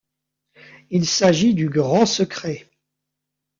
Il s'agit du Grand Secret.